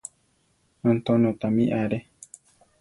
Antonio tamí are.